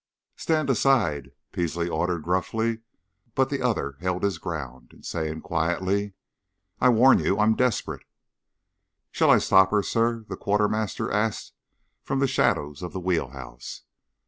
"Stand aside," Peasley ordered, gruffly; but the other held his ground, saying, quietly: "I warn you. I am desperate." "Shall I stop her, sir?" the quartermaster asked from the shadows of the wheel house.